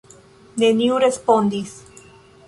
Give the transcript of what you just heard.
Neniu respondis.